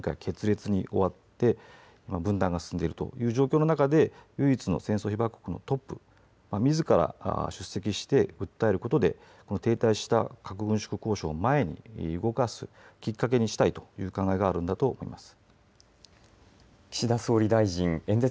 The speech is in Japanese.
そうした中で一方でＮＰＴの再検討会合前回、決裂に終わって分断が進んでいるという状況の中で唯一の戦争被爆国のトップみずから出席して訴えることで停滞した核軍縮交渉を前に動かすきっかけにしたいという考えがあるんだと思います。